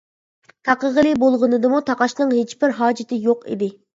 تاقىغىلى بولغىنىدىمۇ تاقاشنىڭ ھېچبىر ھاجىتى يوق ئىدى.